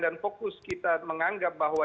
fokus kita menganggap bahwa